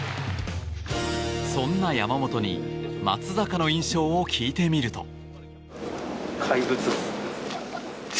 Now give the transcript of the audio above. そんな山本に松坂の印象を聞いてみると。